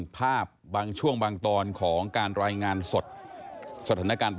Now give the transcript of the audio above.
ขาหลบไปดิขาหลบ